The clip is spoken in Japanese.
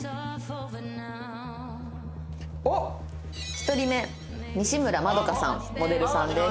１人目西村まどかさんモデルさんです。